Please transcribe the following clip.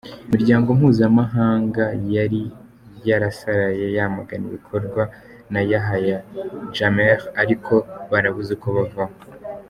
Imiryango mpuzamahanga yari yarasaraye yamagana ibikorwa na Yahya Jammeh ariko barabuze uko yavaho.